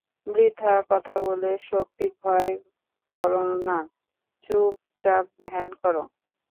বৃথা কথা বলে শক্তিক্ষয় কর না, চুপচাপ ধ্যান কর।